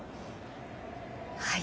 はい。